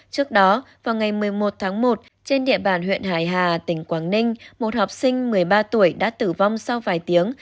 trước đó vào ngày một mươi một tháng một trên địa bàn huyện hải hà tỉnh quảng ninh một học sinh một mươi ba tuổi đã tử vong sau vài tiếng